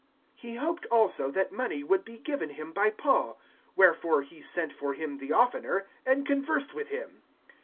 (26)He hoped also that money would be given him by Paul; wherefore he sent for him the oftener, and conversed with him.